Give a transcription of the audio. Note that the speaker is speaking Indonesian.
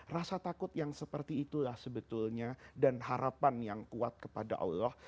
rasa takut yang seperti itulah sebetulnya dan harapan yang kuat kepada allah